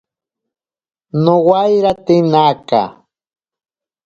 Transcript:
Nowairate naka.